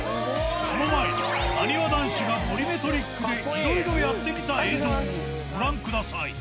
その前に、なにわ男子がボリュメトリックでいろいろやってみた映像をご覧ください。